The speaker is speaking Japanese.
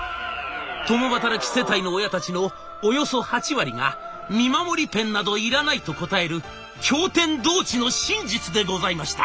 共働き世帯の親たちのおよそ８割が「見守りペンなどいらない」と答える驚天動地の真実でございました。